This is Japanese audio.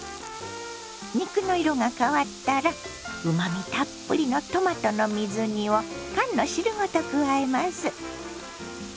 肉の色が変わったらうまみたっぷりのトマトの水煮を缶の汁ごと加えます。